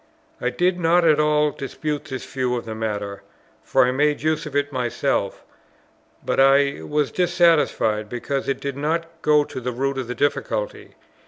I did not at all dispute this view of the matter, for I made use of it myself; but I was dissatisfied, because it did not go to the root of the difficulty.